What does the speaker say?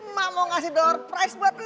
ma mau ngasih dollar prize buat lo